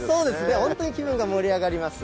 本当に気分が盛り上がります。